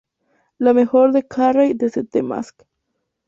La mejor de Carrey desde "The Mask"".